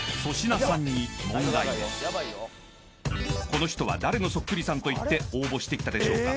［この人は誰のそっくりさんといって応募してきたでしょうか？